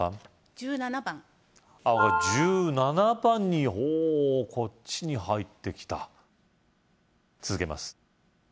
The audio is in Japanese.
１７番青が１７番にほうこっちに入ってきた続けます